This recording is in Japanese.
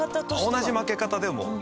同じ負け方でも。